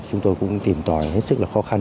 chúng tôi cũng tìm tòi hết sức là khó khăn